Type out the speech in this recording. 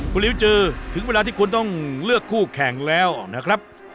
คุณลิวเจอถึงเวลาที่คุณต้องเลือกคู่แข่งแล้วนะครับ